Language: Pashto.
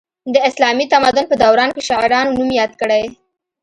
د اسلامي تمدن په دوران کې شاعرانو نوم یاد کړی.